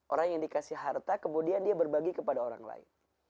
orang yang dikasih harta kemudian dia berbagi kepada orang lain